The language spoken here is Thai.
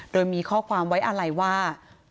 โดยมีข้อความไว้อะไรว่า